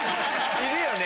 いるよね？